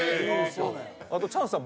あとチャンスさん